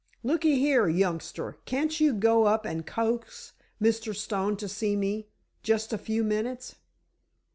Looky here, youngster, can't you go up and coax Mr. Stone to see me—just a few minutes?"